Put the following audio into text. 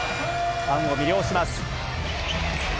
ファンを魅了します。